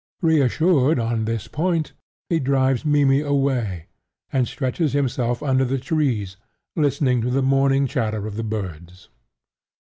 Reassured on this point, he drives Mimmy away, and stretches himself under the trees, listening to the morning chatter of the birds.